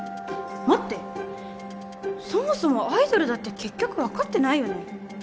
待ってそもそもアイドルだって結局分かってないよね